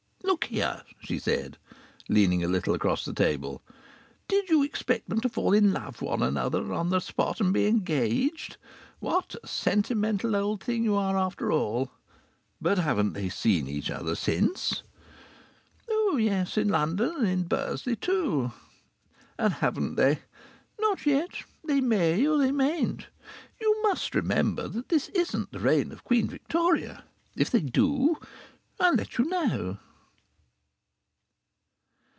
"Look here," she said, leaning a little across the table. "Did you expect them to fall in love with each other on the spot and be engaged? What a sentimental old thing you are, after all!" "But haven't they seen each other since?" "Oh yes! In London, and in Bursley too." "And haven't they " "Not yet.... They may or they mayn't. You must remember this isn't the reign of Queen Victoria.... If they do, I'll let you know."